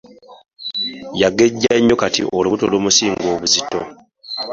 Yagejja nnyo kati olubuto lumusinga obuzito